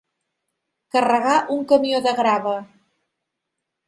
Carregar un camió de grava.